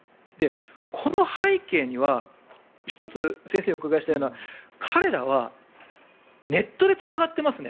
この背景には１つ、先生にお伺いしたいのは彼らはネットでつながってますね。